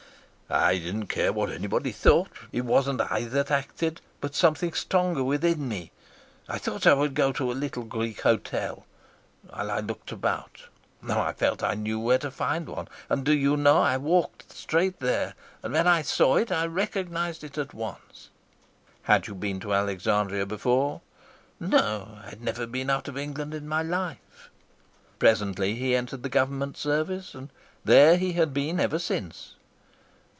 "I didn't care what anybody thought. It wasn't I that acted, but something stronger within me. I thought I would go to a little Greek hotel, while I looked about, and I felt I knew where to find one. And do you know, I walked straight there, and when I saw it, I recognised it at once." "Had you been to Alexandria before?" "No; I'd never been out of England in my life." Presently he entered the Government service, and there he had been ever since.